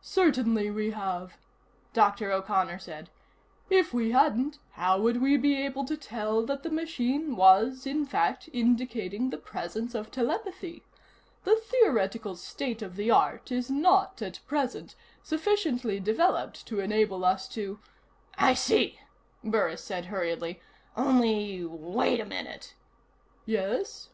"Certainly we have," Dr. O'Connor said. "If we hadn't, how would we be able to tell that the machine was, in fact, indicating the presence of telepathy? The theoretical state of the art is not, at present, sufficiently developed to enable us to " "I see," Burris said hurriedly. "Only wait a minute." "Yes?"